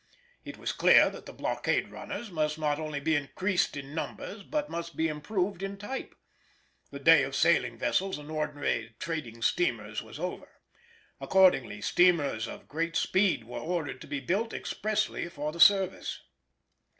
It was clear that the blockade runners must not only be increased in numbers but must be improved in type. The day of sailing vessels and ordinary trading steamers was over; accordingly steamers of great speed were ordered to be built expressly for the service.